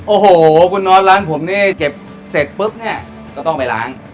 โอ้โหคุณนอทร้านผมนี่เก็บเสร็จปุ๊บเนี่ยก็ต้องไปล้าง